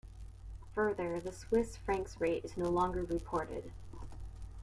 Further, the Swiss francs rate is no longer reported.